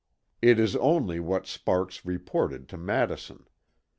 It is only what Sparks reported to Madison.